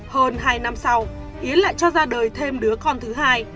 hơn hai năm sau hiến lại cho ra đời thêm đứa con thứ hai